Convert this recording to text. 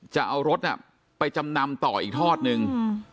จะเอารถไปจำนำต่ออีกทอดนึง